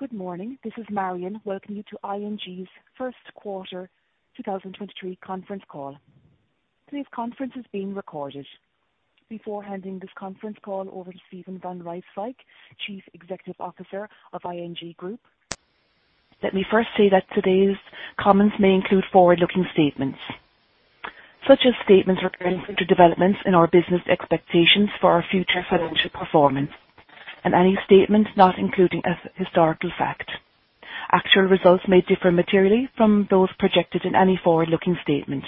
Good morning. This is Marianne welcoming you to ING's First Quarter 2023 Conference Call. Today's conference is being recorded. Before handing this conference call over to Steven van Rijswijk, Chief Executive Officer of ING Group, let me first say that today's comments may include forward-looking statements, such as statements regarding future developments in our business expectations for our future financial performance, and any statement not including a historical fact. Actual results may differ materially from those projected in any forward-looking statement.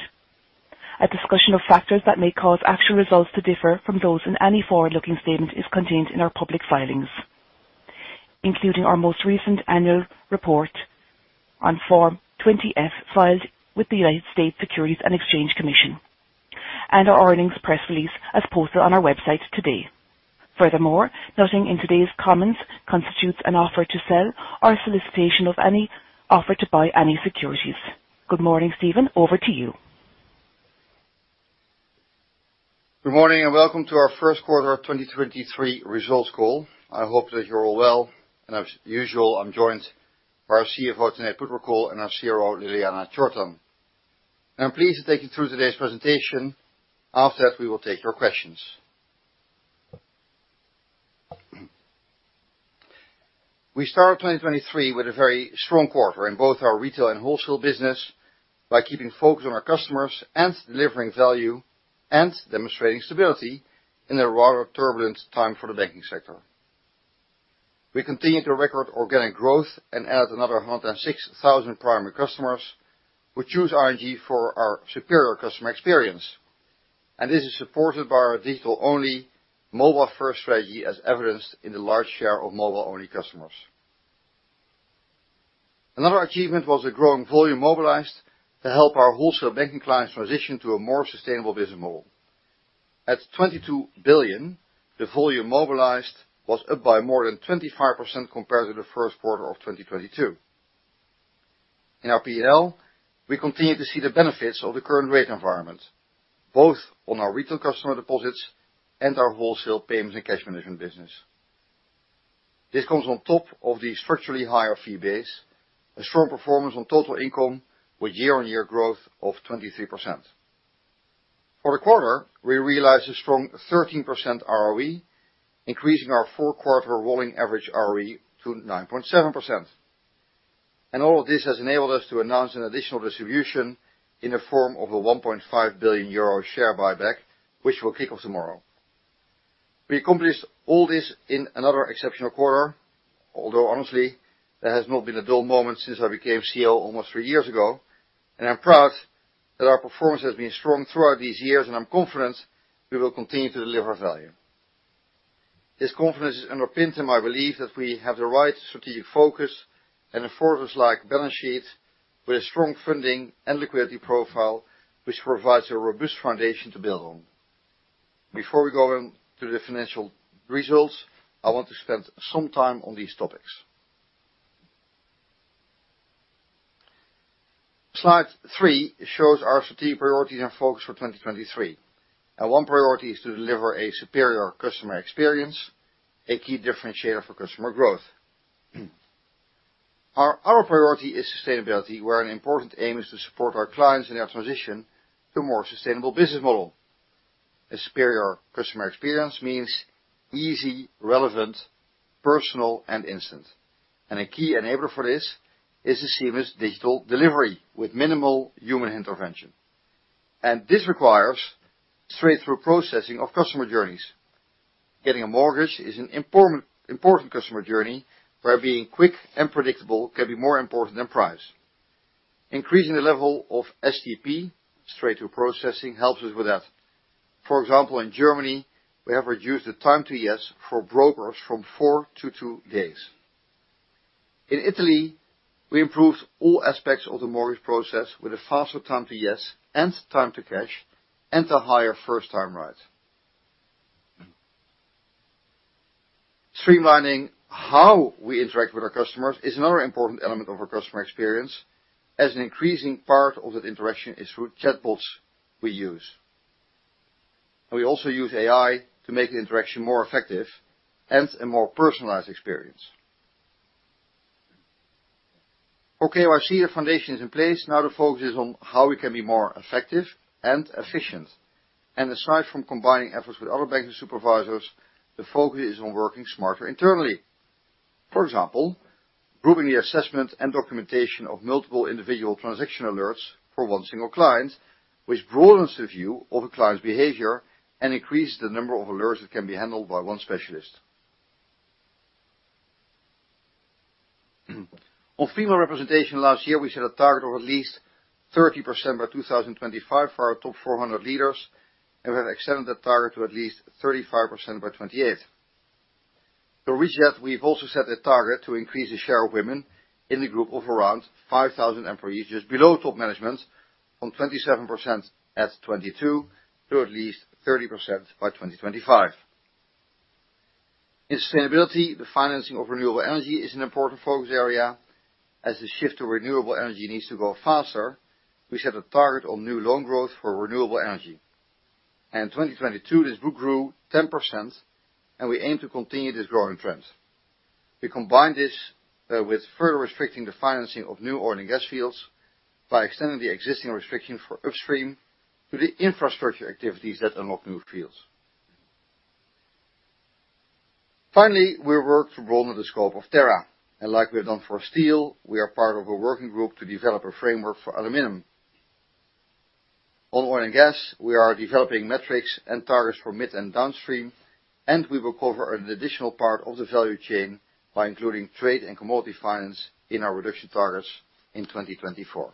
A discussion of factors that may cause actual results to differ from those in any forward-looking statement is contained in our public filings, including our most recent annual report on Form 20-F filed with the United States Securities and Exchange Commission and our earnings press release, as posted on our website today. Furthermore, nothing in today's comments constitutes an offer to sell or solicitation of any offer to buy any securities. Good morning, Steven. Over to you. Good morning, welcome to our first quarter of 2023 results call. I hope that you're all well, and as usual, I'm joined by our CFO, Tanate Phutrakul and our CRO, Ljiljana Čortan. I'm pleased to take you through today's presentation. After that, we will take your questions. We start 2023 with a very strong quarter in both our retail and wholesale business by keeping focused on our customers and delivering value and demonstrating stability in a rather turbulent time for the banking sector. We continued to record organic growth and added another 106,000 primary customers who choose ING for our superior customer experience. This is supported by our digital-only mobile-first strategy, as evidenced in the large share of mobile-only customers. Another achievement was the growing volume mobilized to help our wholesale banking clients transition to a more sustainable business model. At 22 billion, the volume mobilized was up by more than 25% compared to the 1Q 2022. In our PL, we continued to see the benefits of the current rate environment, both on our retail customer deposits and our wholesale payments and cash management business. This comes on top of the structurally higher fee base, a strong performance on total income with year-on-year growth of 23%. For the quarter, we realized a strong 13% ROE, increasing our 4-quarter rolling average ROE to 9.7%. All of this has enabled us to announce an additional distribution in the form of a 1.5 billion euro share buyback, which will kick off tomorrow. We accomplished all this in another exceptional quarter, although honestly, there has not been a dull moment since I became CEO almost three years ago, and I'm proud that our performance has been strong throughout these years, and I'm confident we will continue to deliver value. This confidence is underpinned in my belief that we have the right strategic focus and a fortress-like balance sheet with a strong funding and liquidity profile, which provides a robust foundation to build on. Before we go on to the financial results, I want to spend some time on these topics. Slide three shows our strategic priorities and focus for 2023. Our one priority is to deliver a superior customer experience, a key differentiator for customer growth. Our other priority is sustainability, where an important aim is to support our clients in their transition to a more sustainable business model. A superior customer experience means easy, relevant, personal and instant. A key enabler for this is a seamless digital delivery with minimal human intervention. This requires straight-through processing of customer journeys. Getting a mortgage is an important customer journey where being quick and predictable can be more important than price. Increasing the level of STP, straight-through processing, helps us with that. For example, in Germany, we have reduced the time to yes for brokers from 4 to 2 days. In Italy, we improved all aspects of the mortgage process with a faster time to yes and time to cash and a higher first-time right. Streamlining how we interact with our customers is another important element of our customer experience as an increasing part of that interaction is through chatbots we use. We also use AI to make the interaction more effective and a more personalized experience. Okay, our CFO foundation is in place. Now the focus is on how we can be more effective and efficient. Aside from combining efforts with other banking supervisors, the focus is on working smarter internally. For example, grouping the assessment and documentation of multiple individual transaction alerts for one single client, which broadens the view of a client's behavior and increases the number of alerts that can be handled by one specialist. On female representation last year, we set a target of at least 30% by 2025 for our top 400 leaders, and we have extended that target to at least 35% by 2028. To reach that, we've also set a target to increase the share of women in the group of around 5,000 employees just below top management from 27% at 2022 to at least 30% by 2025. In sustainability, the financing of renewable energy is an important focus area. As the shift to renewable energy needs to go faster, we set a target on new loan growth for renewable energy. In 2022, this book grew 10%, and we aim to continue this growing trend. We combine this with further restricting the financing of new oil and gas fields by extending the existing restrictions for upstream to the infrastructure activities that unlock new fields. Finally, we worked to broaden the scope of Terra. Like we have done for steel, we are part of a working group to develop a framework for aluminum. On oil and gas, we are developing metrics and targets for mid and downstream. We will cover an additional part of the value chain by including trade and commodity finance in our reduction targets in 2024.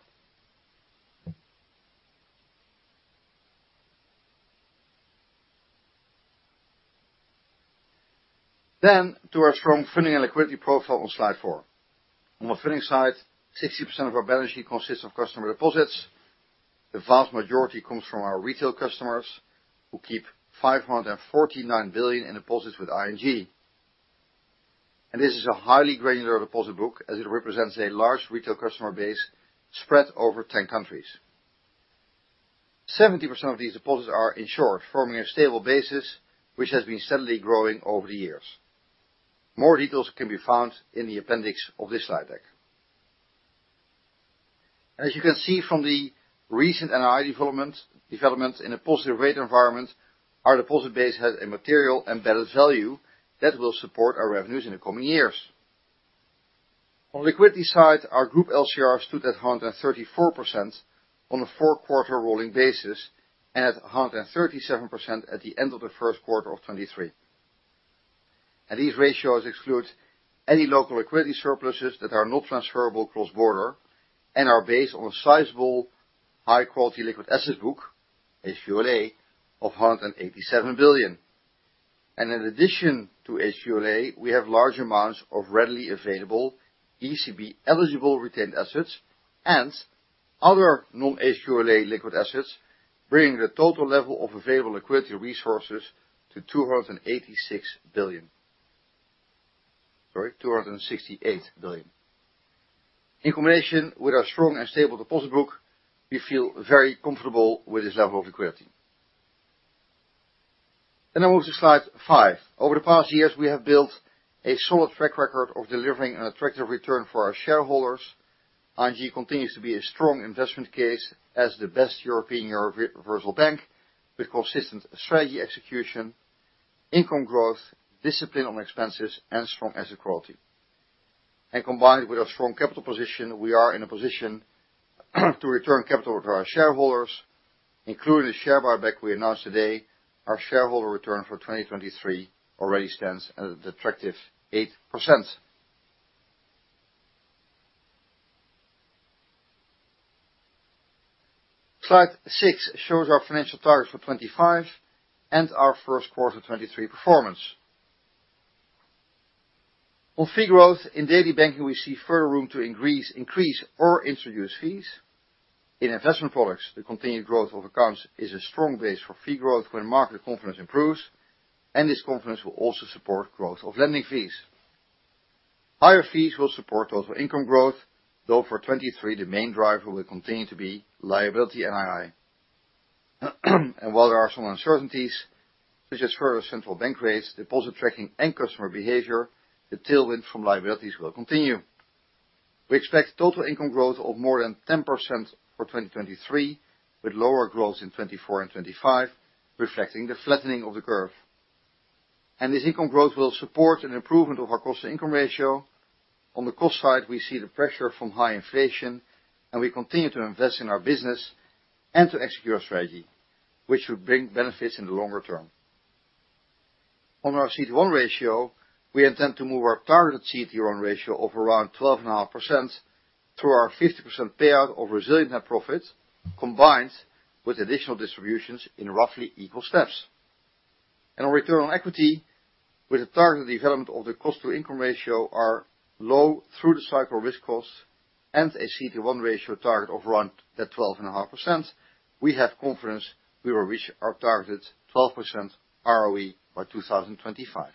To our strong funding and liquidity profile on slide 4. On the funding side, 60% of our balance sheet consists of customer deposits. The vast majority comes from our retail customers, who keep 549 billion in deposits with ING. This is a highly granular deposit book, as it represents a large retail customer base spread over 10 countries. 70% of these deposits are insured, forming a stable basis which has been steadily growing over the years. More details can be found in the appendix of this slide deck. As you can see from the recent NII development in a positive rate environment, our deposit base has a material embedded value that will support our revenues in the coming years. On liquidity side, our group LCR stood at 134% on a four-quarter rolling basis and at 137% at the end of the first quarter of 2023. These ratios exclude any local liquidity surpluses that are not transferable cross-border and are based on a sizable high-quality liquid asset book, HQLA, of 187 billion. In addition to HQLA, we have large amounts of readily available ECB-eligible retained assets and other non-HQLA liquid assets, bringing the total level of available liquidity resources to 286 billion. Sorry, 268 billion. In combination with our strong and stable deposit book, we feel very comfortable with this level of liquidity. I move to slide five. Over the past years, we have built a solid track record of delivering an attractive return for our shareholders. ING continues to be a strong investment case as the best European universal bank with consistent strategy execution, income growth, discipline on expenses, and strong asset quality. Combined with our strong capital position, we are in a position to return capital to our shareholders, including the share buyback we announced today. Our shareholder return for 2023 already stands at an attractive 8%. Slide six shows our financial targets for 25 and our Q1 2023 performance. On fee growth in daily banking, we see further room to increase or introduce fees. In investment products, the continued growth of accounts is a strong base for fee growth when market confidence improves, and this confidence will also support growth of lending fees. Higher fees will support total income growth, though for 2023, the main driver will continue to be liability NII. While there are some uncertainties, such as further central bank rates, deposit tracking and customer behavior, the tailwind from liabilities will continue. We expect total income growth of more than 10% for 2023, with lower growth in 2024 and 2025, reflecting the flattening of the curve. This income growth will support an improvement of our cost-to-income ratio. On the cost side, we see the pressure from high inflation, and we continue to invest in our business and to execute our strategy, which will bring benefits in the longer term. On our CET1 ratio, we intend to move our targeted CET1 ratio of around 12.5% through our 50% payout of resilient net profits, combined with additional distributions in roughly equal steps. On return on equity, with the targeted development of the cost-to-income ratio, our low through-the-cycle risk costs and a CET1 ratio target of around that 12.5%, we have confidence we will reach our targeted 12% ROE by 2025.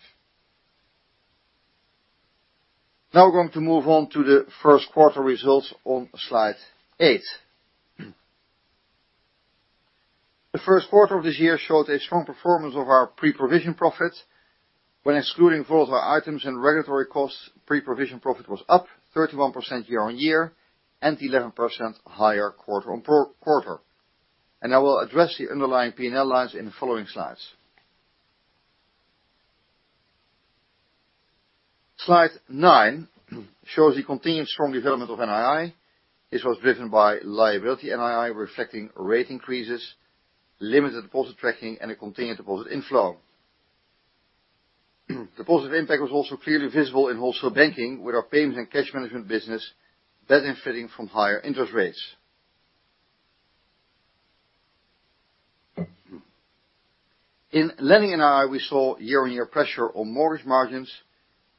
Now we're going to move on to the first quarter results on slide 8. The first quarter of this year showed a strong performance of our pre-provision profits. When excluding volatile items and regulatory costs, pre-provision profit was up 31% year-on-year and 11% higher quarter-on-quarter. I will address the underlying P&L lines in the following slides. Slide 9 shows the continued strong development of NII. This was driven by liability NII reflecting rate increases, limited deposit tracking and a continued deposit inflow. Deposit impact was also clearly visible in wholesale banking, with our payments and cash management business benefiting from higher interest rates. In lending NII, we saw year-on-year pressure on mortgage margins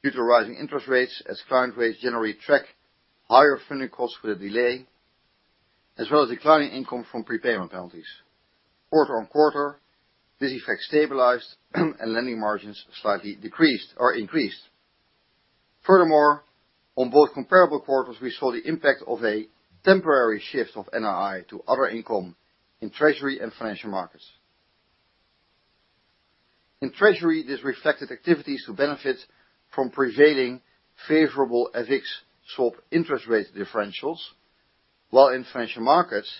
due to rising interest rates as client rates generally track higher funding costs with a delay, as well as declining income from prepayment penalties. Quarter-on-quarter, this effect stabilized and lending margins slightly decreased or increased. Furthermore, on both comparable quarters, we saw the impact of a temporary shift of NII to other income in treasury and financial markets. In treasury, this reflected activities to benefit from prevailing favorable EUR basis swap interest rate differentials. While in financial markets,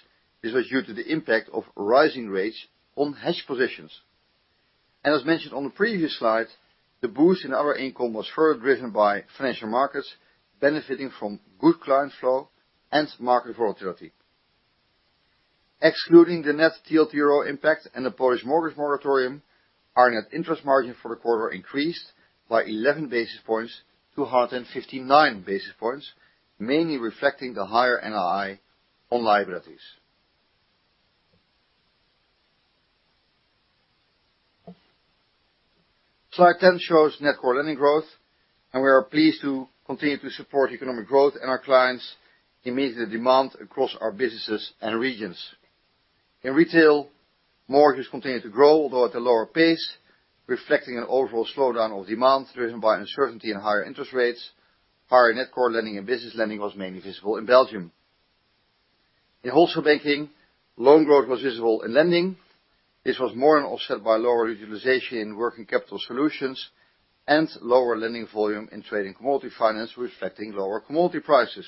this was due to the impact of rising rates on hedge positions. As mentioned on the previous slide, the boost in other income was further driven by financial markets benefiting from good client flow and market volatility. Excluding the net TLTRO impact and the Polish mortgage moratorium, our net interest margin for the quarter increased by 11 basis points to 159 basis points, mainly reflecting the higher NII on liabilities. Slide 10 shows net core lending growth. We are pleased to continue to support economic growth and our clients' immediate demand across our businesses and regions. In retail, mortgages continue to grow, although at a lower pace, reflecting an overall slowdown of demand driven by uncertainty and higher interest rates. Higher net core lending and business lending was mainly visible in Belgium. In Wholesale Banking, loan growth was visible in lending. This was more than offset by lower utilization in working capital solutions and lower lending volume in trade and commodity finance, reflecting lower commodity prices.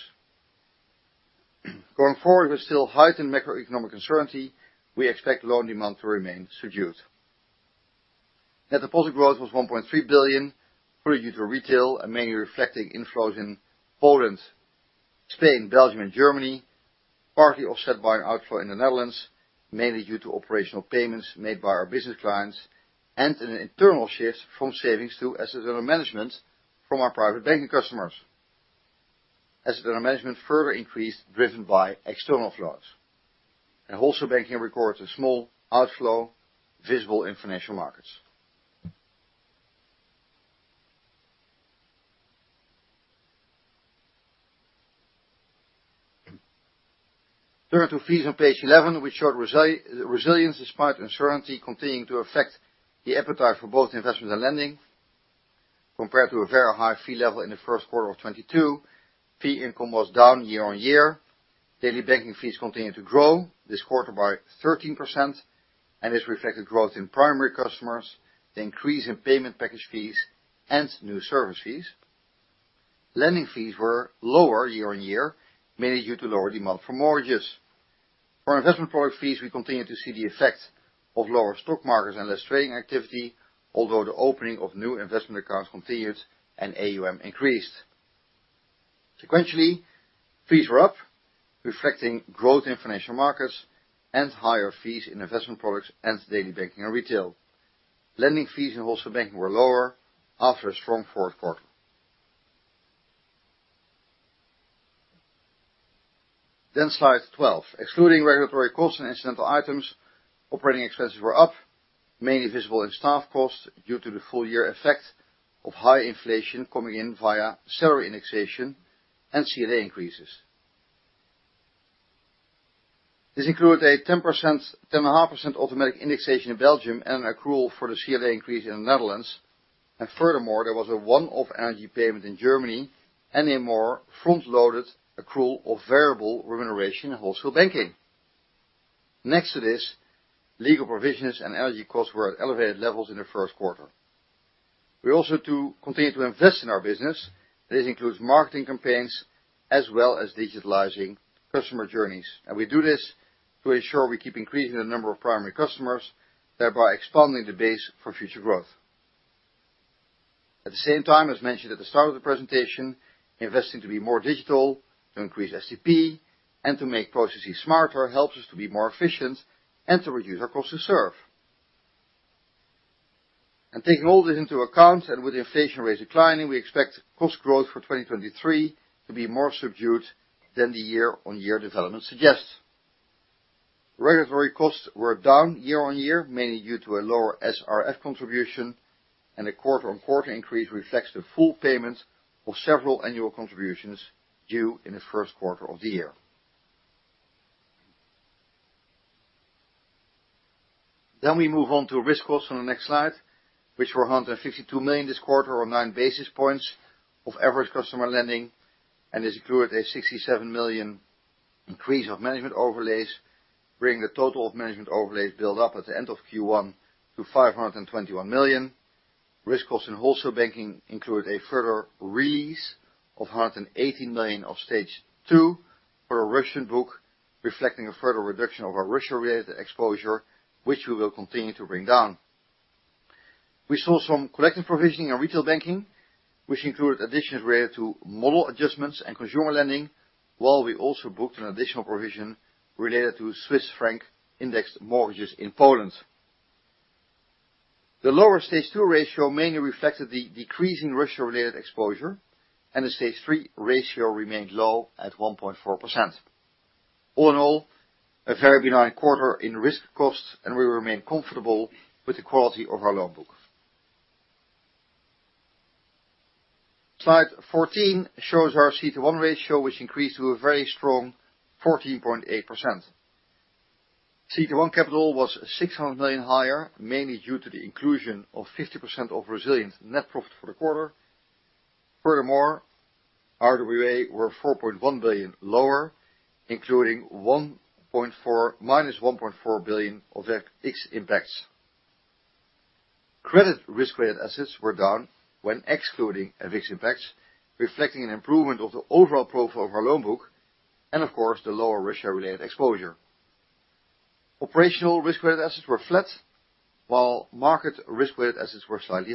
Going forward, with still heightened macroeconomic uncertainty, we expect loan demand to remain subdued. Net deposit growth was 1.3 billion, fully due to retail and mainly reflecting inflows in Poland, Spain, Belgium and Germany, partly offset by an outflow in the Netherlands, mainly due to operational payments made by our business clients and an internal shift from savings to assets under management from our private banking customers. Assets under management further increased, driven by external flows. Wholesale Banking records a small outflow visible in financial markets. Turning to fees on page 11, we showed resilience despite uncertainty continuing to affect the appetite for both investment and lending. Compared to a very high fee level in the first quarter of 2022, fee income was down year-on-year. Daily banking fees continued to grow, this quarter by 13%, this reflected growth in primary customers, the increase in payment package fees and new service fees. Lending fees were lower year-on-year, mainly due to lower demand for mortgages. For investment product fees, we continue to see the effects of lower stock markets and less trading activity, although the opening of new investment accounts continued and AUM increased. Sequentially, fees were up, reflecting growth in financial markets and higher fees in investment products and daily banking and retail. Lending fees in Wholesale Banking were lower after a strong fourth quarter. Slide 12. Excluding regulatory costs and incidental items, operating expenses were up, mainly visible in staff costs due to the full-year effect of high inflation coming in via salary indexation and CLA increases. This includes a 10.5% automatic indexation in Belgium and accrual for the CLA increase in the Netherlands. Furthermore, there was a one-off energy payment in Germany and a more front-loaded accrual of variable remuneration in Wholesale Banking. Next to this, legal provisions and energy costs were at elevated levels in the first quarter. We also continue to invest in our business. This includes marketing campaigns as well as digitalizing customer journeys. We do this to ensure we keep increasing the number of primary customers, thereby expanding the base for future growth. At the same time, as mentioned at the start of the presentation, investing to be more digital, to increase STP, and to make processes smarter helps us to be more efficient and to reduce our cost to serve. Taking all this into account, and with inflation rates declining, we expect cost growth for 2023 to be more subdued than the year-on-year development suggests. Regulatory costs were down year-over-year, mainly due to a lower SRF contribution, and the quarter-over-quarter increase reflects the full payment of several annual contributions due in the first quarter of the year. We move on to risk costs on the next slide, which were 152 million this quarter or 9 basis points of average customer lending and this included a 67 million increase of management overlays, bringing the total of management overlays built up at the end of Q1 to 521 million. Risk costs in Wholesale Banking include a further release of 180 million of Stage 2 for our Russian book, reflecting a further reduction of our Russia-related exposure, which we will continue to bring down. We saw some collective provisioning in Retail Banking, which included additions related to model adjustments and consumer lending, while we also booked an additional provision related to Swiss franc indexed mortgages in Poland. The lower Stage 2 ratio mainly reflected the decreasing Russia-related exposure, and the Stage 3 ratio remained low at 1.4%. All in all, a very benign quarter in risk costs, and we remain comfortable with the quality of our loan book. Slide 14 shows our CET1 ratio, which increased to a very strong 14.8%. CET1 capital was 600 million higher, mainly due to the inclusion of 50% of resilient net profit for the quarter. RWA were 4.1 billion lower, including -1.4 billion of FX impacts. Credit risk weight assets were down when excluding FX impacts, reflecting an improvement of the overall profile of our loan book and of course, the lower Russia-related exposure. Operational risk weight assets were flat, while market risk weight assets were slightly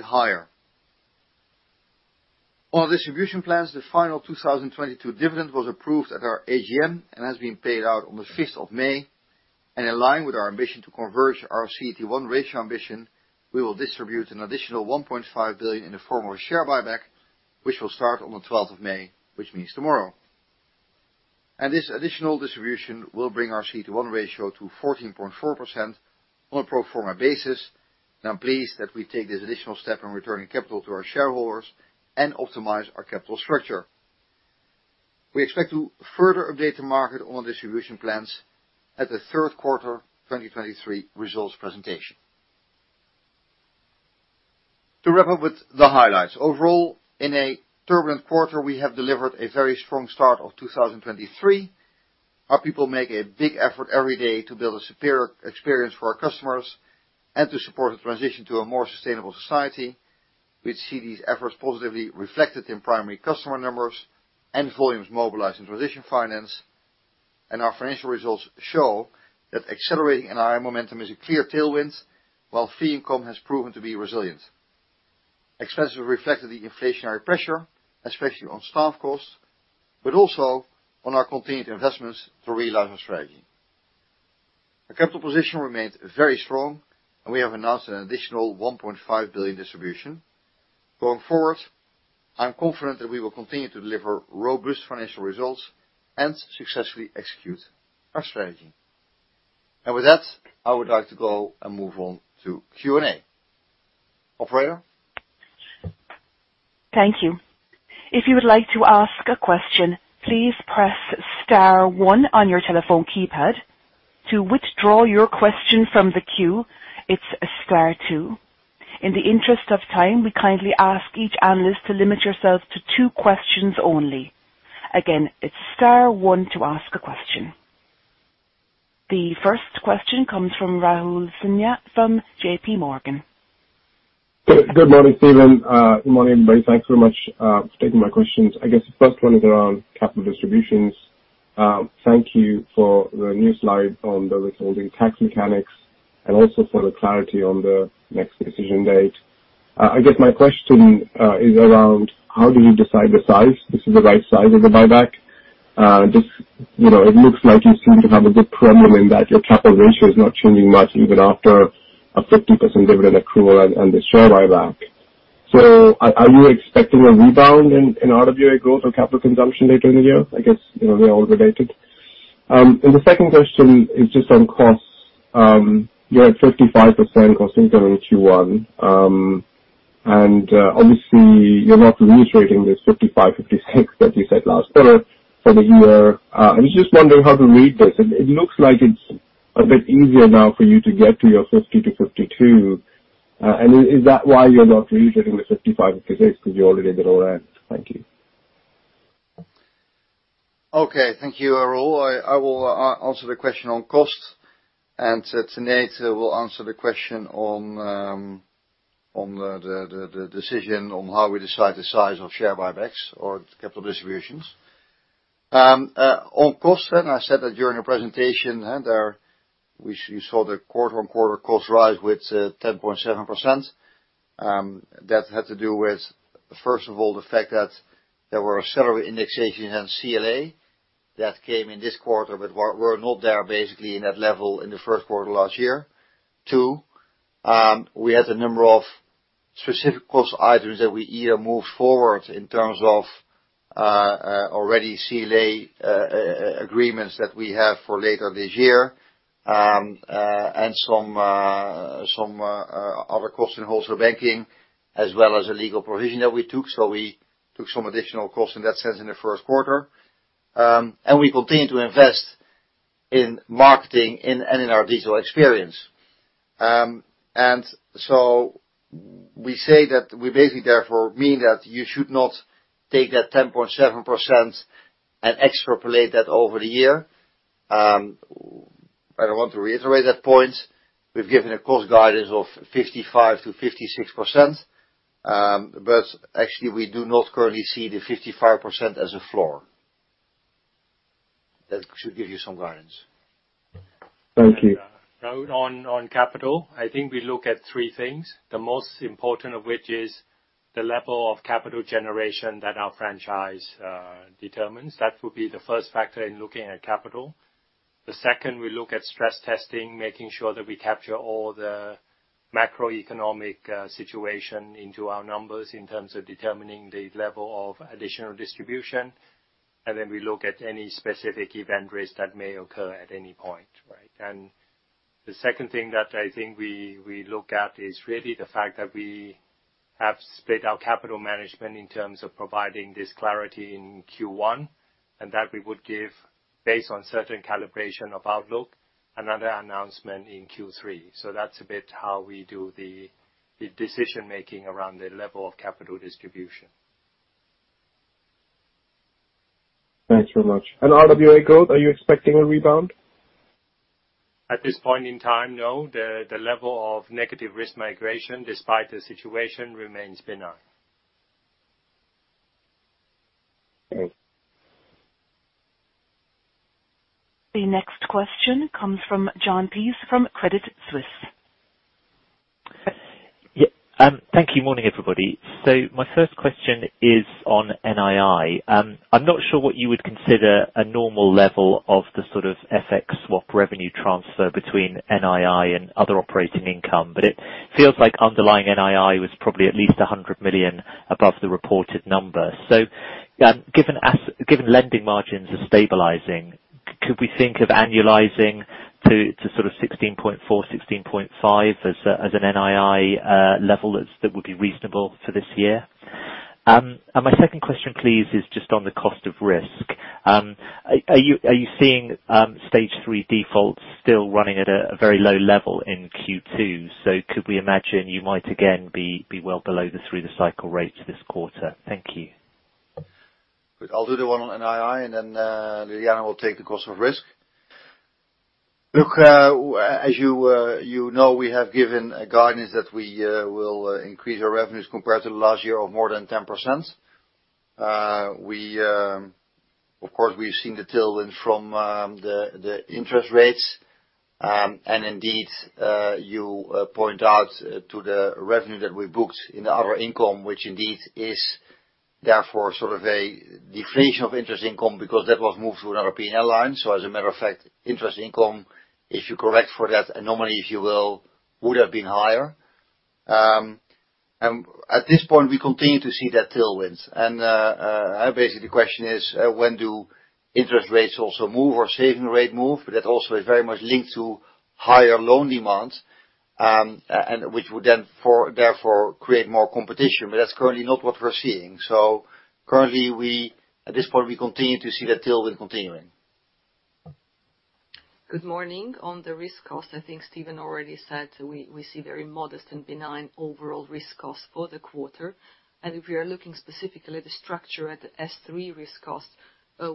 higher. The final 2022 dividend was approved at our AGM and has been paid out on the 5th of May. In line with our ambition to converge our CET1 ratio ambition, we will distribute an additional 1.5 billion in the form of a share buyback, which will start on the 12th of May, which means tomorrow. This additional distribution will bring our CET1 ratio to 14.4% on a pro forma basis. I'm pleased that we take this additional step in returning capital to our shareholders and optimize our capital structure. We expect to further update the market on distribution plans at the third quarter 2023 results presentation. To wrap up with the highlights. Overall, in a turbulent quarter, we have delivered a very strong start of 2023. Our people make a big effort every day to build a superior experience for our customers and to support the transition to a more sustainable society. We see these efforts positively reflected in primary customer numbers and volumes mobilized in transition finance. Our financial results show that accelerating in our momentum is a clear tailwind, while fee income has proven to be resilient. Expenses reflected the inflationary pressure, especially on staff costs, but also on our continued investments to realize our strategy. Our capital position remains very strong, and we have announced an additional 1.5 billion distribution. Going forward, I'm confident that we will continue to deliver robust financial results and successfully execute our strategy. With that, I would like to go and move on to Q&A. Operator? Thank you. If you would like to ask a question, please press star 1 on your telephone keypad. To withdraw your question from the queue, it's star 2. In the interest of time, we kindly ask each analyst to limit yourselves to 2 questions only. Again, it's star 1 to ask a question. The first question comes from Rahul Sinha from JPMorgan. Good morning, Steven. Good morning, everybody. Thanks very much for taking my questions. I guess the first one is around capital distributions. Thank you for the new slide on the withholding tax mechanics and also for the clarity on the next decision date. I guess my question is around how do you decide the size? This is the right size of the buyback. Just, you know, it looks like you seem to have a good problem in that your capital ratio is not changing much even after a 50% dividend accrual and the share buyback. Are you expecting a rebound in RWA growth or capital consumption later in the year? I guess, you know, they're all related. The second question is just on costs. You're at 55% cost income in Q1. Obviously you're not reiterating this 55%-56% that you said last quarter for the year? Just wondering how to read this. It looks like it's a bit easier now for you to get to your 50%-52%. Is that why you're not reiterating the 55%-56% because you're already there at? Thank you. Okay. Thank you, Rahul. I will answer the question on cost, and Tine will answer the question on the decision on how we decide the size of share buybacks or capital distributions. On cost then, I said that during the presentation, and there we saw the quarter-on-quarter cost rise with 10.7%. That had to do with, first of all, the fact that there were several indexations in CLA that came in this quarter, but were not there basically in that level in the first quarter last year. Two, we had a number of specific cost items that we either moved forward in terms of already CLA agreements that we have for later this year, and some other costs in wholesale banking, as well as a legal provision that we took. We took some additional costs in that sense in the first quarter. We continue to invest in marketing and in our digital experience. We say that we basically therefore mean that you should not take that 10.7% and extrapolate that over the year. I don't want to reiterate that point. We've given a cost guidance of 55%-56%. Actually we do not currently see the 55% as a floor. That should give you some guidance. Thank you. Rahul, on capital, I think we look at three things, the most important of which is the level of capital generation that our franchise determines. That would be the first factor in looking at capital. The second, we look at stress testing, making sure that we capture all the macroeconomic situation into our numbers in terms of determining the level of additional distribution. We look at any specific event risk that may occur at any point, right? The second thing that I think we look at is really the fact that we Have split our capital management in terms of providing this clarity in Q1, and that we would give based on certain calibration of outlook, another announcement in Q3. That's a bit how we do the decision-making around the level of capital distribution. Thanks very much. RWA growth, are you expecting a rebound? At this point in time, no. The level of negative risk migration despite the situation remains benign. Okay. The next question comes from Jon Peace from Credit Suisse. Thank you. Morning, everybody. My first question is on NII. I'm not sure what you would consider a normal level of the sort of FX swap revenue transfer between NII and other operating income, but it feels like underlying NII was probably at least 100 million above the reported number. Given lending margins are stabilizing, could we think of annualizing to sort of 16.4, 16.5 as an NII level that would be reasonable for this year? My second question please is just on the cost of risk. Are you seeing Stage 3 defaults still running at a very low level in Q2? Could we imagine you might again be well below the through-the-cycle rates this quarter? Thank you. I'll do the one on NII and then, Ljiljana will take the cost of risk. Look, as you know, we have given a guidance that we, will, increase our revenues compared to last year of more than 10%. Of course, we've seen the tailwind from the interest rates. Indeed, you, point out to the revenue that we booked in the other income, which indeed is therefore sort of a deflation of interest income because that was moved to another P&L line. As a matter of fact, interest income, if you correct for that anomaly, if you will, would have been higher. At this point, we continue to see that tailwind. Basically the question is, when do interest rates also move or saving rate move? That also is very much linked to higher loan demand, and which would then therefore create more competition, but that's currently not what we're seeing. Currently, at this point, we continue to see that tailwind continuing. Good morning. On the risk cost, I think Steven van Rijswijk already said we see very modest and benign overall risk cost for the quarter. If we are looking specifically at the structure at the S3 risk cost,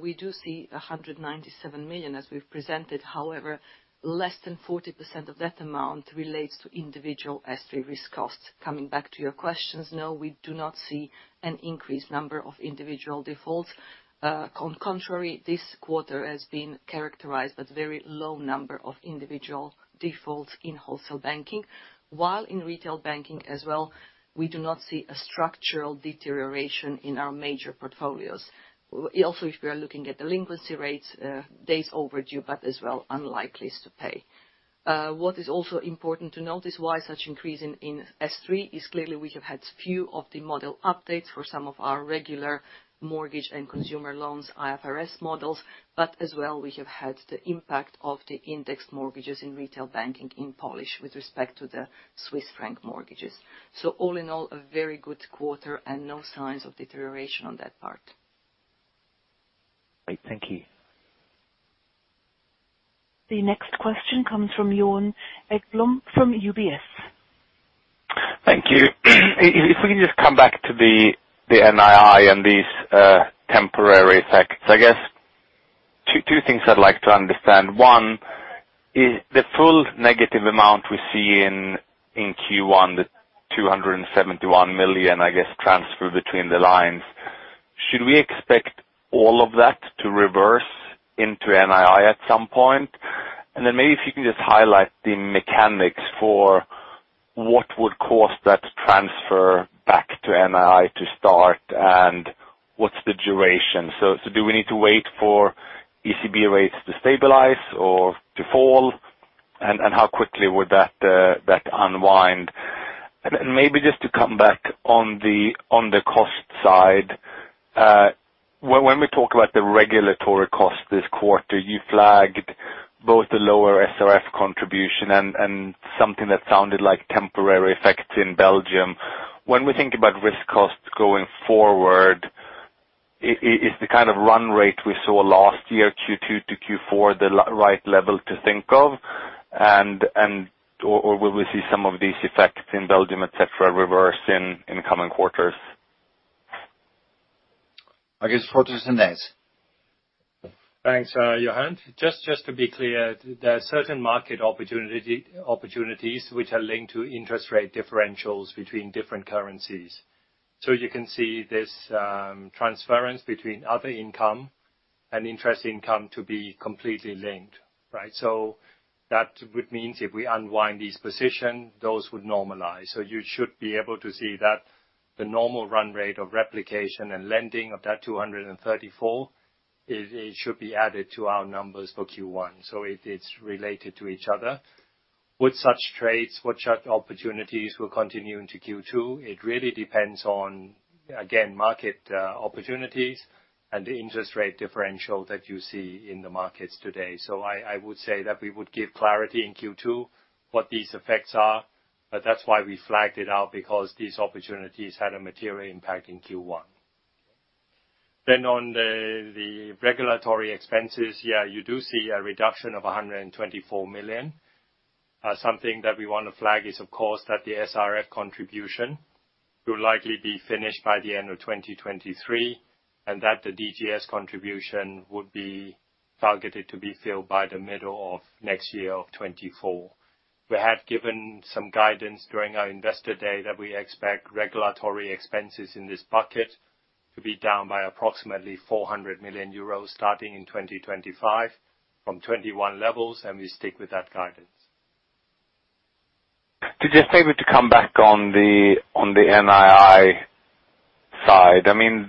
we do see 197 million as we've presented. However, less than 40% of that amount relates to individual S3 risk costs. Coming back to your questions, no, we do not see an increased number of individual defaults. Contrary, this quarter has been characterized with very low number of individual defaults in wholesale banking. While in retail banking as well, we do not see a structural deterioration in our major portfolios. Also, if we are looking at delinquency rates, days overdue, but as well, unlikelies to pay. What is also important to note is why such increase in S3 is clearly we have had few of the model updates for some of our regular mortgage and consumer loans IFRS models, but as well, we have had the impact of the indexed mortgages in retail banking in Polish with respect to the Swiss franc mortgages. All in all, a very good quarter and no signs of deterioration on that part. Right. Thank you. The next question comes from Johan Ekblom from UBS. Thank you. If we can just come back to the NII and these temporary effects, I guess two things I'd like to understand. One is the full negative amount we see in Q1, the 271 million, I guess, transfer between the lines. Should we expect all of that to reverse into NII at some point? Then maybe if you can just highlight the mechanics for what would cause that transfer back to NII to start and what's the duration. Do we need to wait for ECB rates to stabilize or to fall? How quickly would that unwind? Maybe just to come back on the cost side. When we talk about the regulatory cost this quarter, you flagged both the lower SRF contribution and something that sounded like temporary effects in Belgium. When we think about risk costs going forward, is the kind of run rate we saw last year, Q2 to Q4, the right level to think of? Will we see some of these effects in Belgium, et cetera, reverse in coming quarters? I guess, Johannes. Thanks, Johan. Just to be clear, there are certain market opportunities which are linked to interest rate differentials between different currencies. You can see this transference between other income and interest income to be completely linked, right? That would means if we unwind this position, those would normalize. You should be able to see that the normal run rate of replication and lending of that 234, it should be added to our numbers for Q1. It's related to each other. Would such opportunities will continue into Q2? It really depends on, again, market opportunities and the interest rate differential that you see in the markets today. I would say that we would give clarity in Q2 what these effects are, but that's why we flagged it out, because these opportunities had a material impact in Q1. On the regulatory expenses, yeah, you do see a reduction of 124 million. Something that we wanna flag is, of course, that the SRF contribution will likely be finished by the end of 2023, and that the DGS contribution would be targeted to be filled by the middle of next year, of 2024. We have given some guidance during our investor day that we expect regulatory expenses in this bucket to be down by approximately 400 million euros starting in 2025 from 2021 levels, and we stick with that guidance. To just maybe to come back on the NII side. I mean,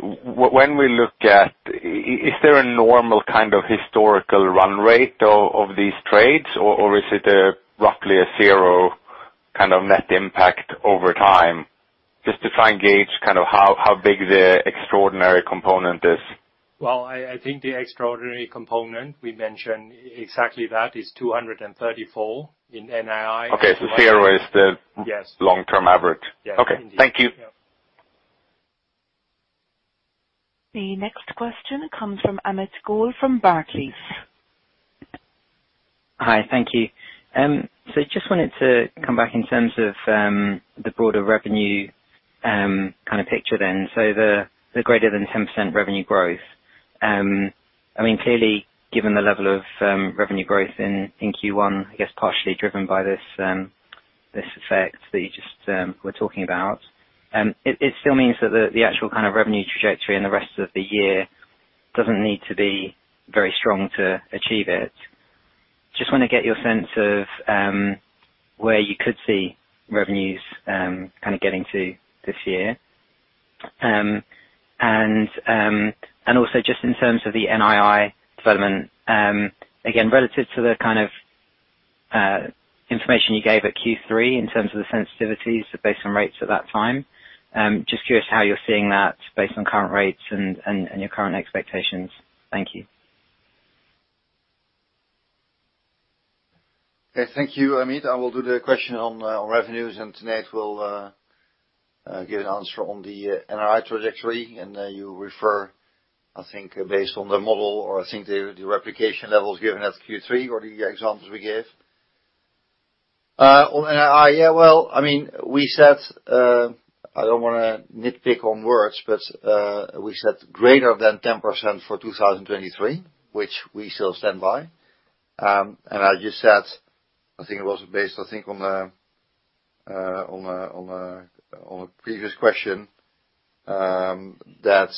when we look at, is there a normal kind of historical run rate of these trades or is it a roughly a zero kind of net impact over time? Just to try and gauge kind of how big the extraordinary component is? Well, I think the extraordinary component we mentioned, exactly that, is 234 in NII. Okay. zero is. Yes. -long-term average. Yes, indeed. Okay. Thank you. Yeah. The next question comes from Amit Goel from Barclays. Hi. Thank you. Just wanted to come back in terms of the broader revenue kind of picture then. The, the greater than 10% revenue growth. I mean clearly given the level of revenue growth in Q1, I guess partially driven by this effect that you just were talking about. It, it still means that the actual kind of revenue trajectory in the rest of the year doesn't need to be very strong to achieve it. Just wanna get your sense of where you could see revenues kinda getting to this year. Also just in terms of the NII development, again, relative to the kind of, information you gave at Q3 in terms of the sensitivities based on rates at that time, just curious how you're seeing that based on current rates and your current expectations. Thank you. Okay, thank you, Amit. I will do the question on revenues, Nat will give an answer on the NII trajectory. You refer, I think, based on the model, or I think the replication levels given at Q3 or the examples we gave. On NII, yeah, well, I mean, we said, I don't wanna nitpick on words, but we said greater than 10% for 2023, which we still stand by. I just said, I think it was based on a previous question that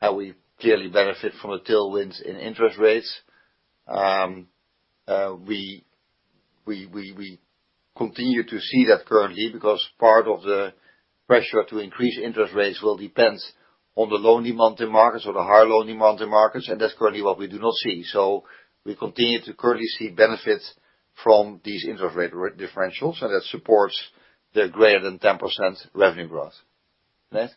how we clearly benefit from the tailwinds in interest rates. We continue to see that currently because part of the pressure to increase interest rates will depends on the loan demand markets or the higher loan demand markets, and that's currently what we do not see. We continue to currently see benefits from these interest rate differentials, and that supports the greater than 10% revenue growth. Nat?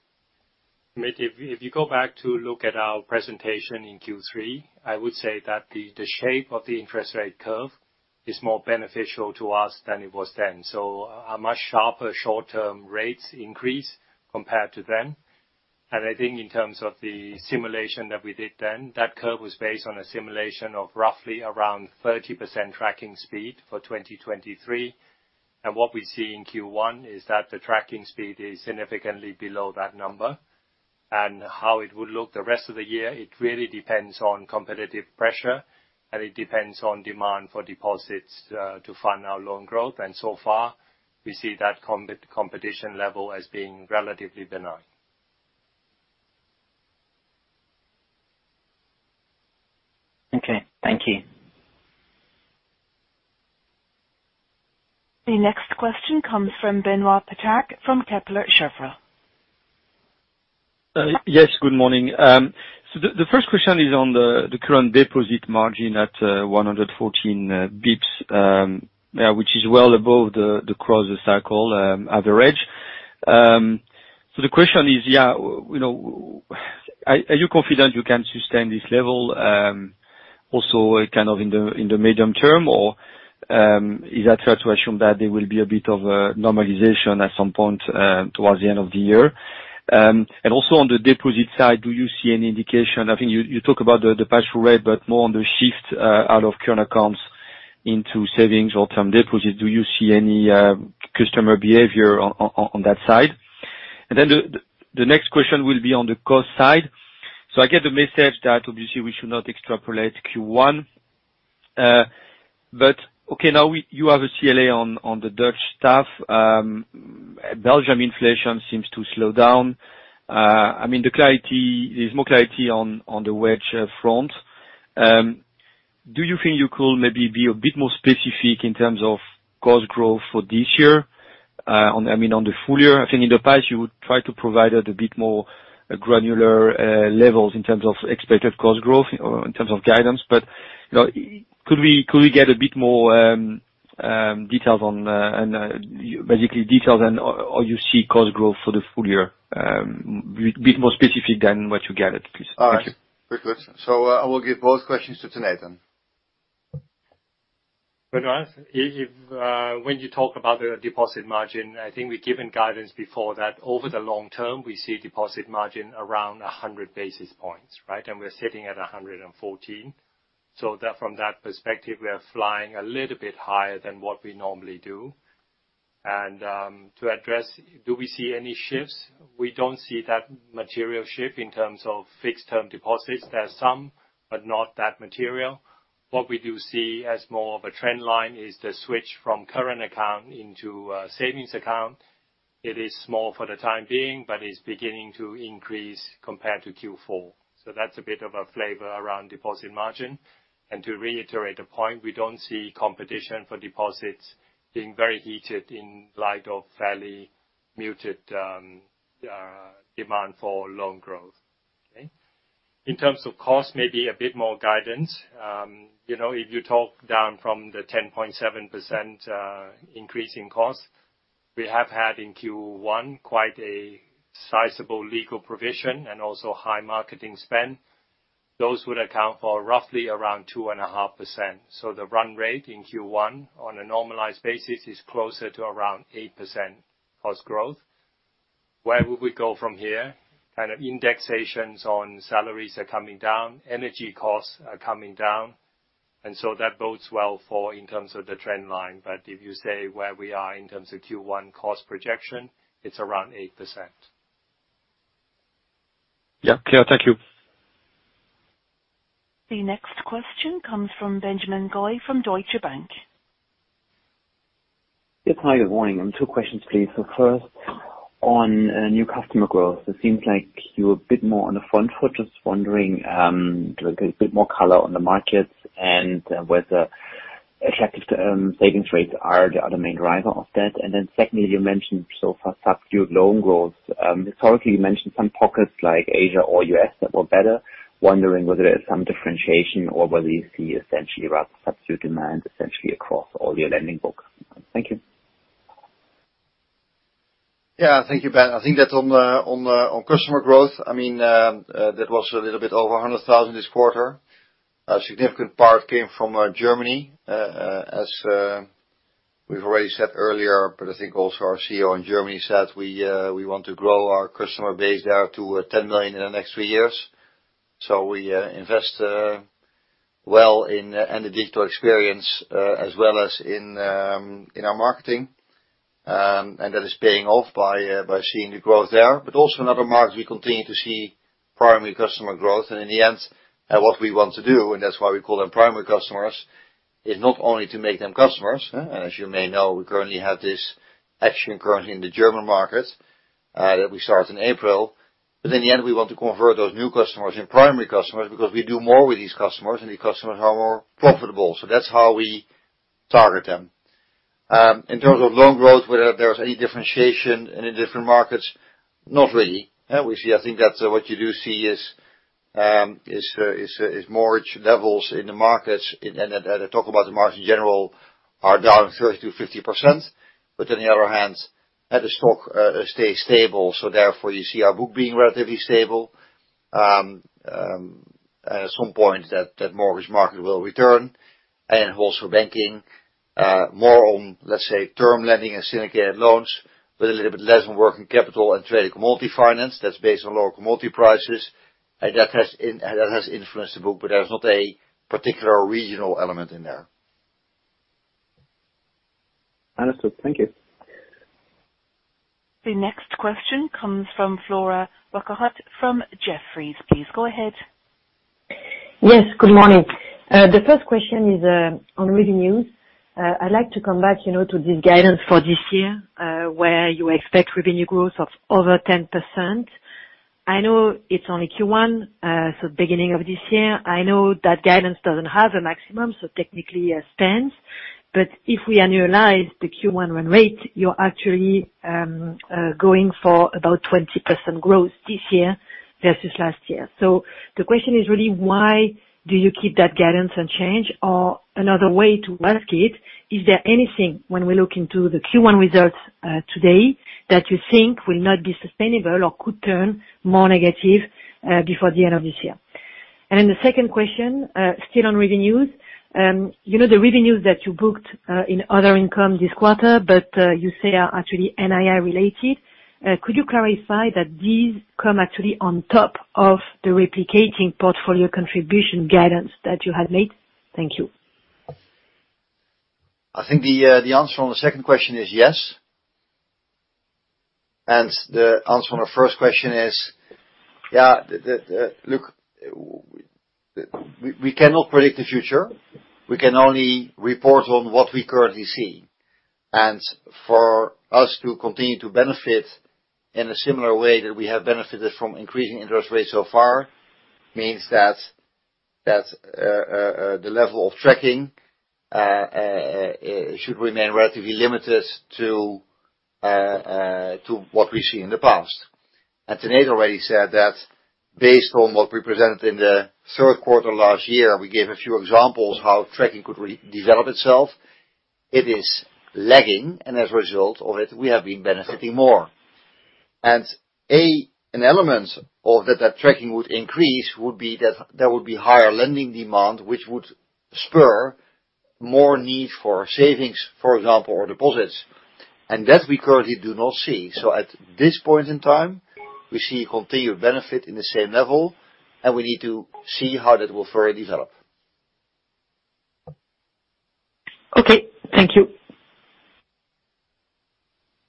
Amit, if you go back to look at our presentation in Q3, I would say that the shape of the interest rate curve is more beneficial to us than it was then. A much sharper short-term rates increase compared to then. I think in terms of the simulation that we did then, that curve was based on a simulation of roughly around 30% tracking speed for 2023. What we see in Q1 is that the tracking speed is significantly below that number. How it would look the rest of the year, it really depends on competitive pressure, and it depends on demand for deposits to fund our loan growth. So far, we see that competition level as being relatively benign. Okay. Thank you. The next question comes from Benoit Petrarque from Kepler Cheuvreux. Yes, good morning. The first question is on the current deposit margin at 114 basis points, yeah, which is well above the cross-cycle average. The question is, yeah, you know, are you confident you can sustain this level also kind of in the medium term? Or is it fair to assume that there will be a bit of a normalization at some point towards the end of the year? Also on the deposit side, do you see any indication... I think you talk about the pass-through rate, but more on the shift out of current accounts into savings or term deposits. Do you see any customer behavior on that side? The next question will be on the cost side. I get the message that obviously we should not extrapolate Q1. Okay, now you have a CLA on the Dutch staff. Belgium inflation seems to slow down. I mean, there's more clarity on the wage front. Do you think you could maybe be a bit more specific in terms of cost growth for this year? I mean, on the full year. I think in the past you would try to provide at a bit more granular levels in terms of expected cost growth or in terms of guidance. You know, could we get a bit more details on basically details on how you see cost growth for the full year? Bit more specific than what you guided, please. Thank you. All right. Good question. I will give both questions to Nathan. If when you talk about the deposit margin, I think we've given guidance before that over the long term, we see deposit margin around 100 basis points, right? We're sitting at 114. From that perspective, we are flying a little bit higher than what we normally do. To address, do we see any shifts? We don't see that material shift in terms of fixed-term deposits. There are some, but not that material. What we do see as more of a trend line is the switch from current account into savings account. It is small for the time being, but is beginning to increase compared to Q4. That's a bit of a flavor around deposit margin. To reiterate the point, we don't see competition for deposits being very heated in light of fairly muted demand for loan growth. Okay? In terms of cost, maybe a bit more guidance. You know, if you talk down from the 10.7% increase in cost, we have had in Q1 quite a sizable legal provision and also high marketing spend. Those would account for roughly around 2.5%. The run rate in Q1 on a normalized basis is closer to around 8% cost growth. Where would we go from here? Kind of indexations on salaries are coming down, energy costs are coming down, that bodes well for in terms of the trend line. If you say where we are in terms of Q1 cost projection, it's around 8%. Yeah. Clear. Thank you. The next question comes from Benjamin Goy from Deutsche Bank. Yes. Hi, good morning. Two questions, please. First, on new customer growth, it seems like you're a bit more on the front foot. Just wondering, like a bit more color on the markets and whether attractive term savings rates are the, are the main driver of that. Secondly, you mentioned so far subdued loan growth. Historically, you mentioned some pockets like Asia or U.S. that were better. Wondering whether there is some differentiation or whether you see essentially subdued demand essentially across all your lending books. Thank you. Yeah. Thank you, Ben. I think that on customer growth, I mean, that was a little bit over 100,000 this quarter. A significant part came from Germany, as we've already said earlier, but I think also our CEO in Germany said, we want to grow our customer base there to 10 million in the next 3 years. We invest well in the digital experience as well as in our marketing. That is paying off by seeing the growth there. Also in other markets, we continue to see primary customer growth. In the end, what we want to do, and that's why we call them primary customers, is not only to make them customers, as you may know, we currently have this action currently in the German market, that we start in April. In the end, we want to convert those new customers into primary customers because we do more with these customers, and these customers are more profitable. That's how we target them. In terms of loan growth, whether there's any differentiation in the different markets, not really. We see, I think that's what you do see is mortgage levels in the markets and talk about the margin general are down 30%-50%. On the other hand, the stock stays stable, so therefore you see our book being relatively stable. At some point that mortgage market will return and also banking, more on, let's say, term lending and syndicated loans with a little bit less on working capital and trading commodity finance that's based on local commodity prices. That has influenced the book, but there's not a particular regional element in there. Understood. Thank you. The next question comes from Flora Bocahut from Jefferies. Please go ahead. Yes. Good morning. The first question is on revenues. I'd like to come back, you know, to this guidance for this year, where you expect revenue growth of over 10%. I know it's only Q1, so beginning of this year. I know that guidance doesn't have a maximum, so technically it stands. If we annualize the Q1 run rate, you're actually going for about 20% growth this year versus last year. The question is really why do you keep that guidance unchanged? Another way to ask it, is there anything when we look into the Q1 results today that you think will not be sustainable or could turn more negative before the end of this year? The second question, still on revenues. You know the revenues that you booked, in other income this quarter but, you say are actually NII related. Could you clarify that these come actually on top of the replicating portfolio contribution guidance that you had made? Thank you. I think the answer on the second question is yes. The answer on the first question is, yeah, the look, we cannot predict the future. We can only report on what we currently see. For us to continue to benefit in a similar way that we have benefited from increasing interest rates so far means that the level of tracking should remain relatively limited to what we see in the past. Tanate already said that based on what we presented in the third quarter last year, we gave a few examples how tracking could develop itself. It is lagging, as a result of it, we have been benefiting more. An element of that tracking would increase would be that there would be higher lending demand, which would spur more need for savings, for example, or deposits. That we currently do not see. At this point in time, we see continued benefit in the same level, and we need to see how that will further develop. Okay, thank you.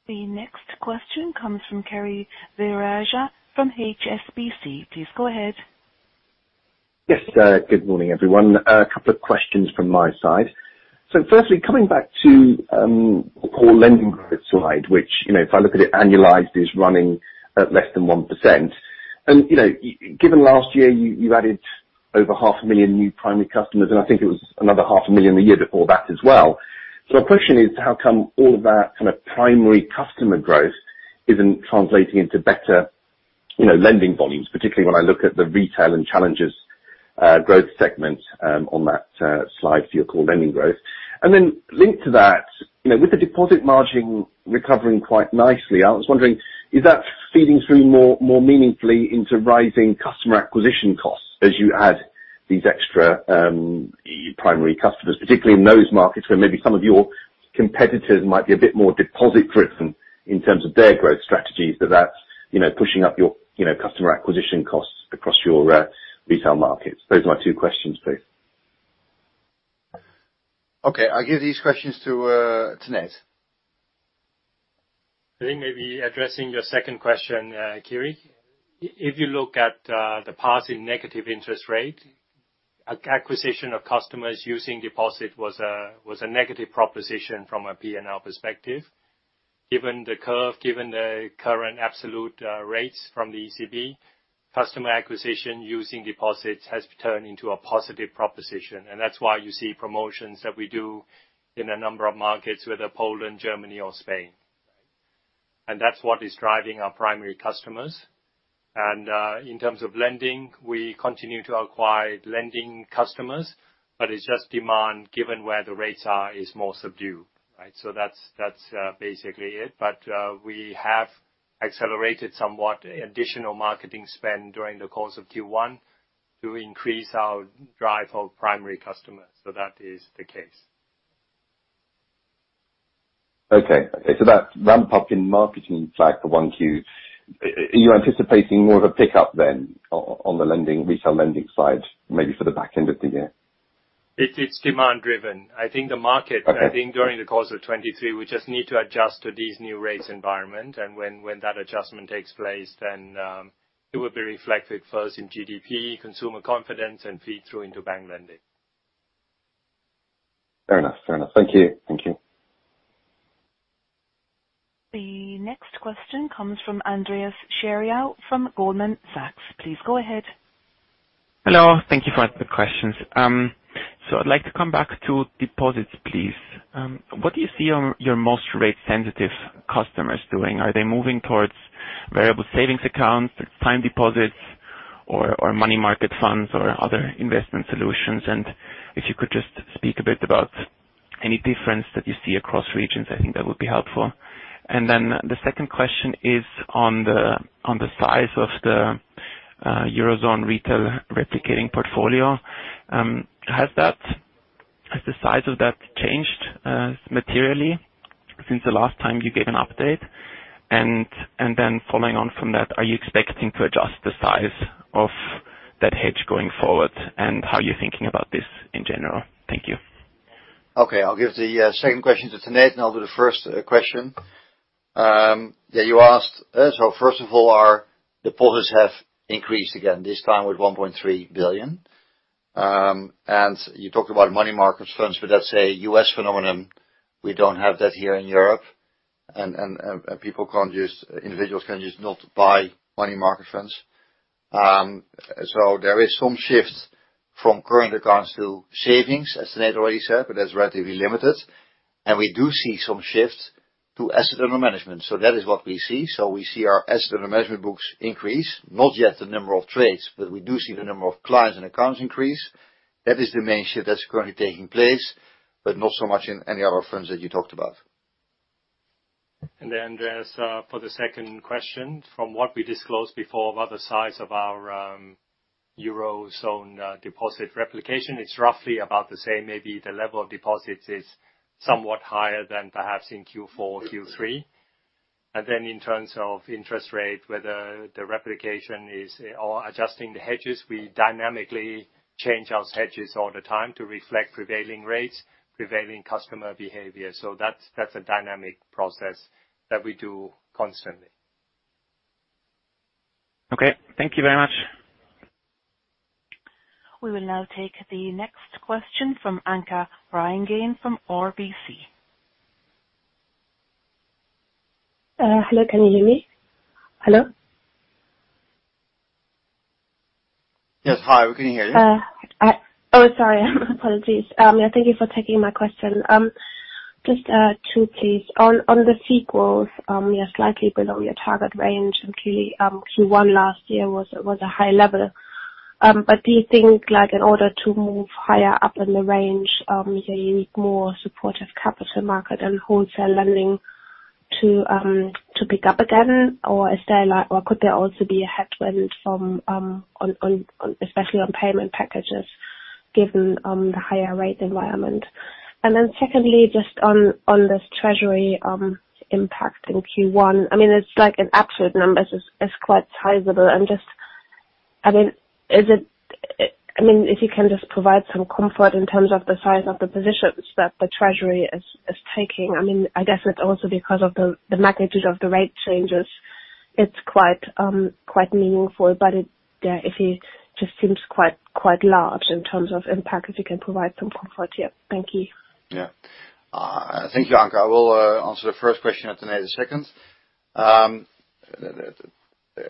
The next question comes from Kiri Vijayarajah from HSBC. Please go ahead. Yes, good morning, everyone. A couple of questions from my side. Firstly, coming back to core lending growth slide, which, you know, if I look at it, annualized is running at less than 1%. You know, given last year you added over half a million new primary customers, and I think it was another half a million the year before that as well. My question is how come all of that kind of primary customer growth isn't translating into better, you know, lending volumes, particularly when I look at the retail and challenges growth segment on that slide for your core lending growth. Linked to that, you know, with the deposit margin recovering quite nicely, I was wondering, is that feeding through more, more meaningfully into rising customer acquisition costs as you add these extra primary customers, particularly in those markets where maybe some of your competitors might be a bit more deposit driven in terms of their growth strategies so that's, you know, pushing up your, you know, customer acquisition costs across your retail markets? Those are my two questions, please. Okay. I'll give these questions to Nate. I think maybe addressing your second question, Kiri. If you look at the passing negative interest rate, acquisition of customers using deposit was a negative proposition from a P&L perspective. Given the curve, given the current absolute rates from the ECB, customer acquisition using deposits has turned into a positive proposition, that's why you see promotions that we do in a number of markets, whether Poland, Germany or Spain. That's what is driving our primary customers. In terms of lending, we continue to acquire lending customers, but it's just demand, given where the rates are, is more subdued, right? That's basically it. We have accelerated somewhat additional marketing spend during the course of Q1 to increase our drive for primary customers. That is the case. Okay. That ramp-up in marketing flag for 1Q, are you anticipating more of a pick-up then on the lending, retail lending side, maybe for the back end of the year? It's demand driven. Okay. I think during the course of 2023, we just need to adjust to these new rates environment. When that adjustment takes place, then, it will be reflected first in GDP, consumer confidence and feed through into bank lending. Fair enough. Fair enough. Thank you. Thank you. The next question comes from Andreas Scheriau from Goldman Sachs. Please go ahead. Hello. Thank you for the questions. I'd like to come back to deposits, please. What do you see on your most rate sensitive customers doing? Are they moving towards variable savings accounts or time deposits or money market funds or other investment solutions? If you could just speak a bit about any difference that you see across regions, I think that would be helpful. The second question is on the size of the Eurozone retail replicating portfolio. Has the size of that changed materially since the last time you gave an update? Following on from that, are you expecting to adjust the size of that hedge going forward? How are you thinking about this in general? Thank you. Okay. I'll give the second question to Nate, and I'll do the first question. Yeah, you asked, first of all, our deposits have increased again, this time with 1.3 billion. You talked about money market funds, but that's a US phenomenon. We don't have that here in Europe. Individuals can just not buy money market funds. There is some shift from current accounts to savings, as Nate already said, but that's relatively limited. We do see some shift to asset under management. We see our asset under management books increase, not yet the number of trades, but we do see the number of clients and accounts increase. That is the main shift that's currently taking place, but not so much in any other firms that you talked about. Andreas Scheriau, for the second question, from what we disclosed before about the size of our Eurozone deposit replication, it's roughly about the same. Maybe the level of deposits is somewhat higher than perhaps in Q4, Q3. In terms of interest rate, whether the replication is or adjusting the hedges, we dynamically change our hedges all the time to reflect prevailing rates, prevailing customer behavior. That's a dynamic process that we do constantly. Okay. Thank you very much. We will now take the next question from Anke Reingen from RBC. Hello, can you hear me? Hello? Yes. Hi, we can hear you. Sorry. Apologies. Yeah, thank you for taking my question. Just two, please. On, on the CET1, slightly below your target range. Clearly, Q1 last year was a high level. Do you think like in order to move higher up in the range, you need more supportive capital market and wholesale lending to pick up again? Is there or could there also be a headwind from especially on payment packages given the higher rate environment? Secondly, just on this treasury impact in Q1. It's like an absolute number is quite sizable and if you can just provide some comfort in terms of the size of the positions that the treasury is taking. I mean, I guess it's also because of the magnitude of the rate changes, it's quite meaningful. It just seems quite large in terms of impact, if you can provide some comfort, yeah. Thank you. Yeah. Thank you, Anke. I will answer the first question and then the second.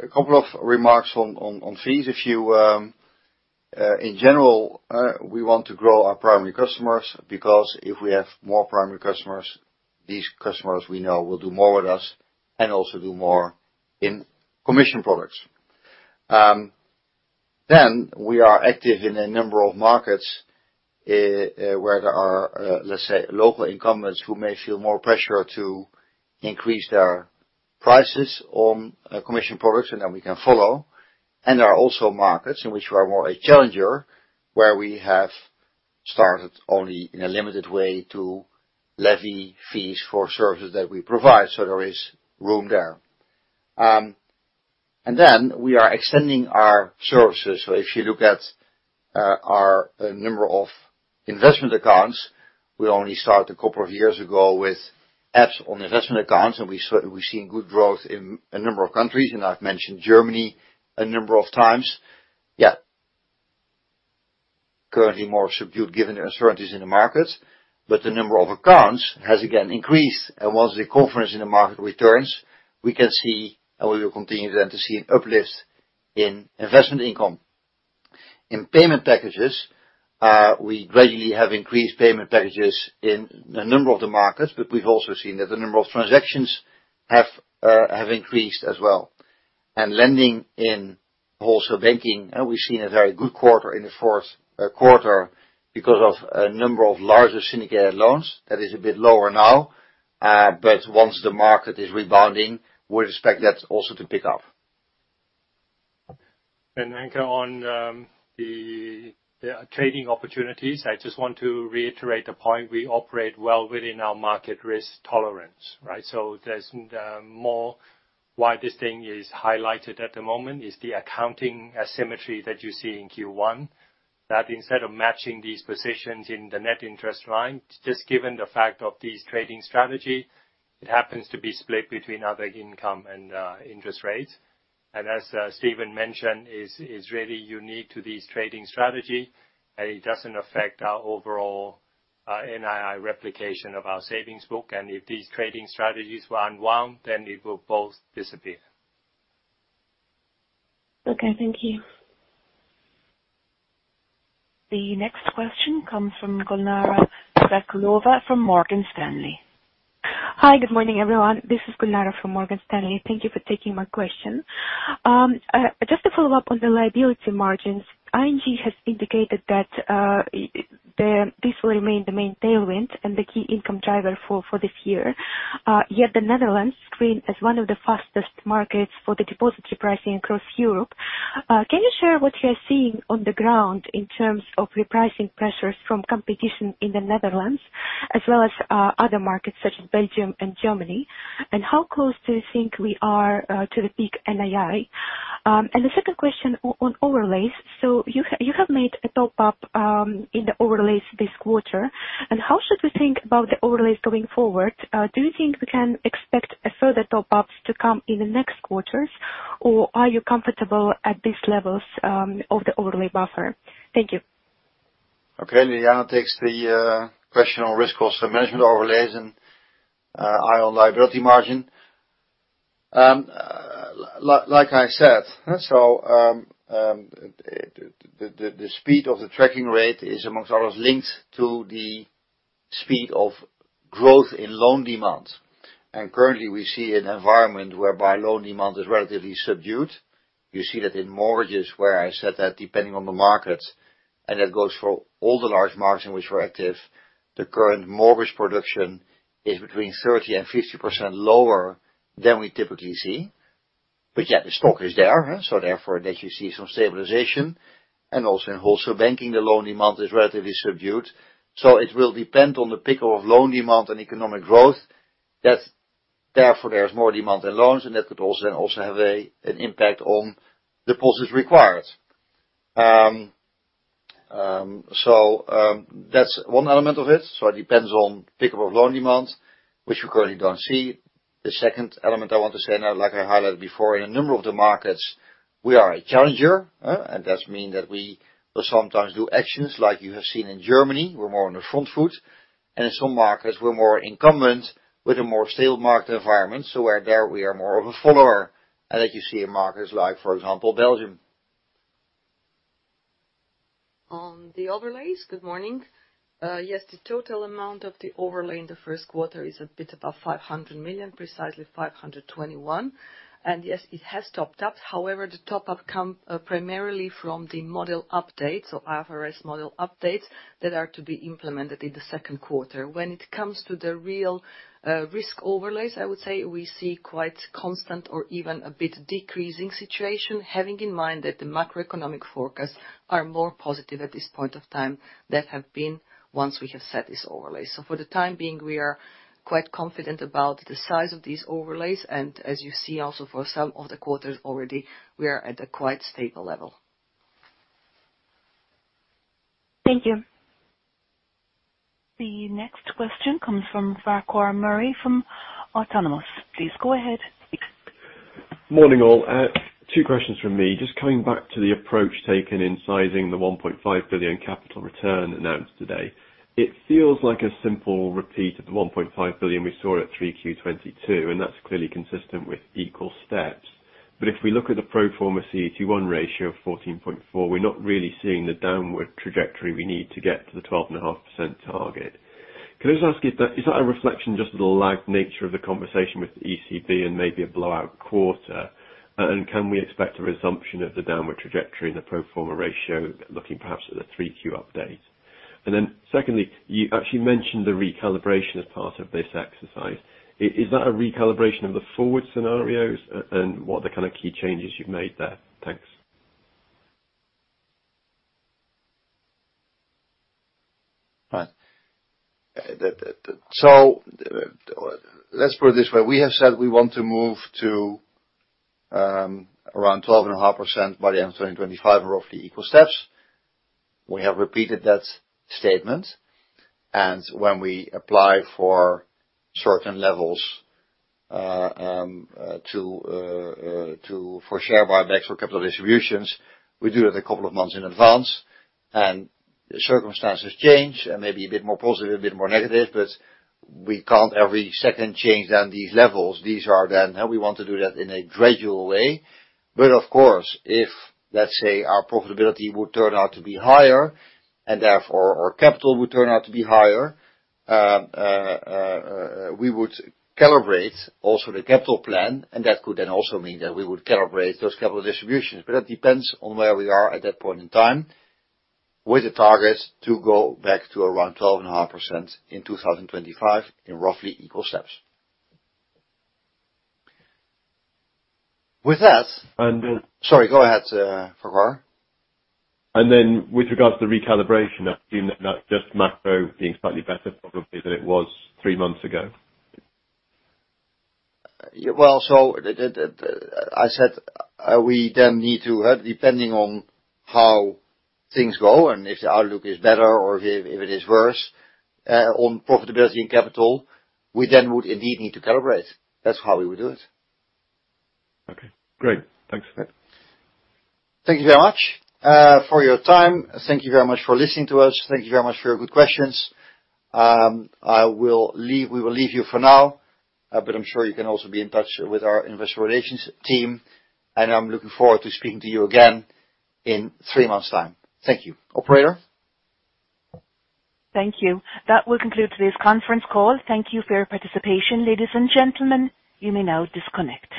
A couple of remarks on, on fees. If you, in general, we want to grow our primary customers, because if we have more primary customers, these customers we know will do more with us and also do more in commission products. We are active in a number of markets, where there are, let's say, local incumbents who may feel more pressure to increase their prices on commission products, and then we can follow. There are also markets in which we are more a challenger, where we have started only in a limited way to levy fees for services that we provide, so there is room there. We are extending our services. If you look at our number of investment accounts, we only started a couple of years ago with apps on investment accounts, and we've seen good growth in a number of countries, and I've mentioned Germany a number of times. Yeah. Currently more subdued given the uncertainties in the markets, the number of accounts has again increased. Once the confidence in the market returns, we can see and we will continue then to see an uplift in investment income. In payment packages, we gradually have increased payment packages in a number of the markets, we've also seen that the number of transactions have increased as well. Lending in wholesale banking, we've seen a very good quarter in the fourth quarter because of a number of larger syndicated loans. That is a bit lower now, but once the market is rebounding, we'll expect that also to pick up. Anke, on the trading opportunities, I just want to reiterate the point we operate well within our market risk tolerance, right? There's more why this thing is highlighted at the moment is the accounting asymmetry that you see in Q1. Instead of matching these positions in the net interest line, just given the fact of this trading strategy, it happens to be split between other income and interest rates. As Steven mentioned, is really unique to this trading strategy, and it doesn't affect our overall NII replication of our savings book. If these trading strategies were unwound, then it will both disappear. Okay, thank you. The next question comes from Gulnara from Morgan Stanley. Hi. Good morning, everyone. This is Gulnara from Morgan Stanley. Thank you for taking my question. Just to follow up on the liability margins, ING has indicated that this will remain the main tailwind and the key income driver for this year. Yet the Netherlands screened as one of the fastest markets for the depository pricing across Europe. Can you share what you are seeing on the ground in terms of repricing pressures from competition in the Netherlands as well as other markets such as Belgium and Germany? How close do you think we are to the peak NII? The second question on overlays. You have made a top-up in the overlays this quarter. How should we think about the overlays going forward? Do you think we can expect a further top-ups to come in the next quarters? Are you comfortable at these levels of the overlay buffer? Thank you. Okay. Ljiljana takes the question on risk cost and management overlays and eye on liability margin. Like I said, the speed of the tracking rate is amongst others linked to the speed of growth in loan demand. Currently, we see an environment whereby loan demand is relatively subdued. You see that in mortgages where I said that depending on the market, and that goes for all the large markets in which we're active, the current mortgage production is between 30% and 50% lower than we typically see. Yeah, the stock is there, so therefore that you see some stabilization. Also in wholesale banking, the loan demand is relatively subdued. It will depend on the pickup of loan demand and economic growth, that therefore there's more demand in loans and that could also have an impact on the pulses required. That's one element of it. It depends on pickup of loan demand, which we currently don't see. The second element I want to say, and I highlighted before, in a number of the markets, we are a challenger, and that means that we will sometimes do actions like you have seen in Germany. We're more on the front foot. In some markets, we're more incumbent with a more stable market environment, so where there we are more of a follower, that you see in markets like, for example, Belgium. On the overlays. Good morning. Yes, the total amount of the overlay in the first quarter is a bit above 500 million, precisely 521 million. Yes, it has topped up. However, the top up come primarily from the model update, so IFRS model updates that are to be implemented in the second quarter. When it comes to the real risk overlays, I would say we see quite constant or even a bit decreasing situation. Having in mind that the macroeconomic forecasts are more positive at this point of time than have been once we have set this overlay. For the time being, we are quite confident about the size of these overlays and as you see also for some of the quarters already, we are at a quite stable level. Thank you. The next question comes from Farquhar Murray from Autonomous. Please go ahead. Morning, all. 2 questions from me. Just coming back to the approach taken in sizing the 1.5 billion capital return announced today. It feels like a simple repeat of the 1.5 billion we saw at 3Q 2022, and that's clearly consistent with equal steps. If we look at the pro forma CET1 ratio of 14.4, we're not really seeing the downward trajectory we need to get to the 12.5% target. Can I just ask, is that a reflection just of the lagged nature of the conversation with the ECB and maybe a blowout quarter? Can we expect a resumption of the downward trajectory in the pro forma ratio looking perhaps at the 3Q update? Secondly, you actually mentioned the recalibration as part of this exercise. Is that a recalibration of the forward scenarios and what are the kind of key changes you've made there? Thanks. Right. Let's put it this way. We have said we want to move to around 12.5% by the end of 2025 in roughly equal steps. We have repeated that statement, when we apply for certain levels to for share buybacks or capital distributions, we do it a couple of months in advance. Circumstances change, and maybe a bit more positive, a bit more negative, but we can't every second change then these levels. These are then how we want to do that in a gradual way. Of course, if, let's say, our profitability would turn out to be higher and therefore our capital would turn out to be higher, we would calibrate also the capital plan, and that could then also mean that we would calibrate those capital distributions. That depends on where we are at that point in time with the target to go back to around 12.5% in 2025 in roughly equal steps. With that. And then- Sorry, go ahead, Farquhar. With regards to the recalibration, I assume that not just macro being slightly better probably than it was 3 months ago. I said, we then need to, depending on how things go and if the outlook is better or if it is worse, on profitability and capital, we then would indeed need to calibrate. That's how we would do it. Okay, great. Thanks for that. Thank you very much for your time. Thank you very much for listening to us. Thank you very much for your good questions. We will leave you for now, but I'm sure you can also be in touch with our investor relations team, and I'm looking forward to speaking to you again in three months' time. Thank you. Operator? Thank you. That will conclude today's conference call. Thank you for your participation, ladies and gentlemen. You may now disconnect.